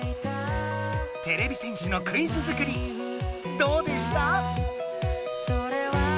てれび戦士のクイズ作りどうでした？